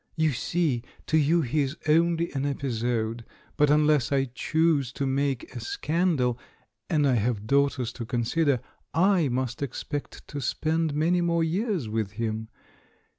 "You see, to you he is only an epi sode; but unless I choose to make a scandal — and I have daughters to consider — I must expect to spend many more years with him.